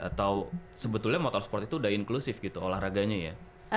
atau sebetulnya motorsport itu udah inklusif gitu olahraganya ya